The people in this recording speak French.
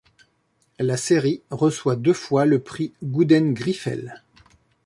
La série reçoit deux fois le prix Gouden Griffel.